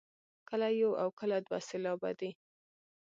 کله یو او کله دوه سېلابه دی.